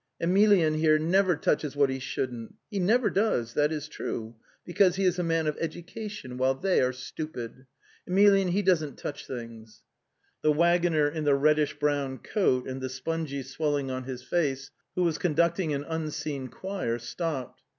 Emelyan here never touches what he shouldn't; MO De I MMEVEn MGGess\ ui cKithat (isi EEE uta ee Mace cause he is a man of education, while they are stupid. ... Emelyan, he doesn't touch things." 'The waggoner in the reddish brown coat and the spongy swelling on his face, who was conducting an unseen choir, stopped.